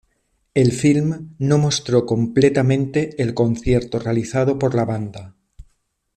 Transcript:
El film no mostró completamente el concierto realizado por la banda.